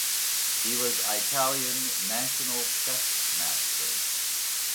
He was Italian national chess master.